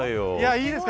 いいですか。